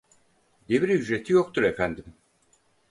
Devir ücreti yoktur efendim